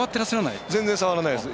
全然、触らないです。